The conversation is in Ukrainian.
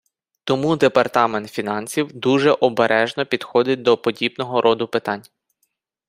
Тому Департамент фінансів дуже обережно підходить до подібного роду питань.